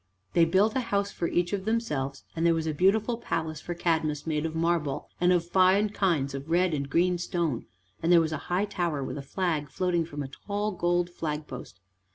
They built a house for each of themselves, and there was a beautiful palace for Cadmus made of marble, and of fine kinds of red and green stone, and there was a high tower with a flag floating from a tall gold flag post.